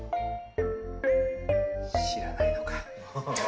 知らないのか。